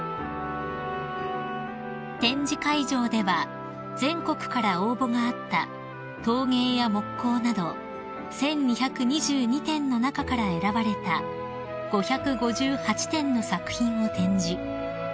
［展示会場では全国から応募があった陶芸や木工など１，２２２点の中から選ばれた５５８点の作品を展示］